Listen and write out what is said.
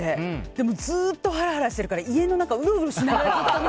でもずっとハラハラしているから家の中、うろうろして。